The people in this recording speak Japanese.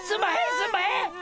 すんまへん！